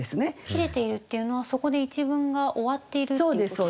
切れているっていうのはそこで一文が終わっているっていうことですか？